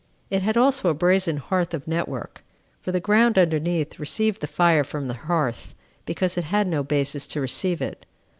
It had also a brazen hearth of network; for the ground underneath received the fire from the hearth, because it had no basis to receive it.